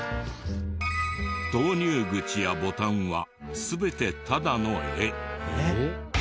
投入口やボタンは全てただの絵。